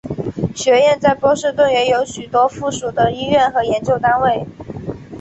学院在波士顿也有许多附属的医院和研究单位。